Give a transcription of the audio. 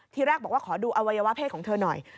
ทีแรกบอกว่าขอดูอวัยวะเพศของเธอหน่อย